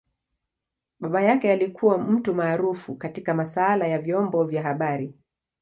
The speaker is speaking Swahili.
Baba yake alikua mtu maarufu katika masaala ya vyombo vya habari.